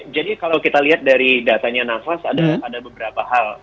jadi kalau kita lihat dari datanya nafas ada beberapa hal